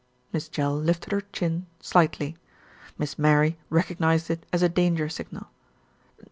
Miss Jell lifted her chin slightly. Miss Mary recog nised it as a danger signal.